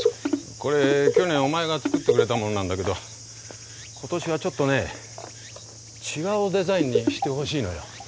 これ去年お前が作ってくれたものなんだけど今年はちょっとね違うデザインにしてほしいのよ。